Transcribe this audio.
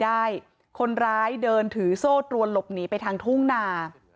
คนร้ายเดินถือโซ่ตรวนหลบหนีไปทางทุ่งนา